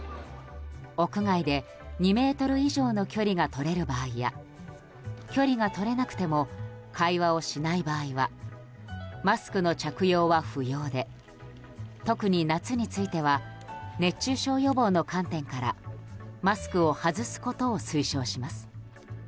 屋外で２ｍ以上の距離がとれる場合や距離がとれなくても会話をしない場合はマスクの着用は不要で特に夏については熱中症予防の観点からマスクを外すことを推奨します。